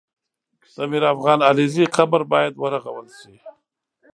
د میرافغان علیزي قبر باید ورغول سي